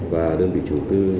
và đơn vị chủ tư